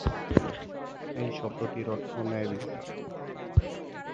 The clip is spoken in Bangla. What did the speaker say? এই শব্দটির অর্থ ন্যায়বিচার।